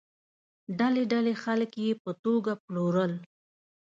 ډلې ډلې خلک یې په توګه پلورل.